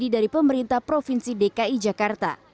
dari pemerintah provinsi dki jakarta